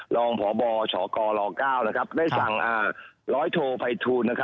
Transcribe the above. รองพบฉกร๙ได้สั่ง๑๐๐โทษภัยทูล